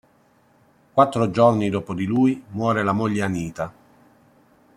Quattro giorni dopo di lui muore la moglie Anita.